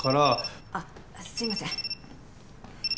あっすいません。